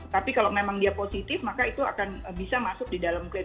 tapi kalau memang dia positif maka itu akan bisa masuk di dalam klaim